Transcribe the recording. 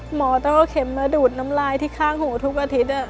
หมอต้องเอาเข็มมาดูดน้ำลายที่ข้างหูทุกอาทิตย์